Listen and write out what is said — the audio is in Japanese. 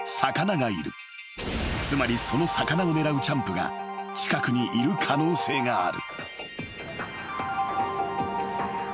［つまりその魚を狙うチャンプが近くにいる可能性がある］